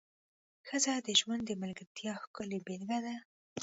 ښځه د ژوند د ملګرتیا ښکلې بېلګه ده.